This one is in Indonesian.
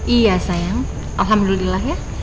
iya sayang alhamdulillah ya